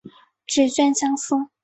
指券相似。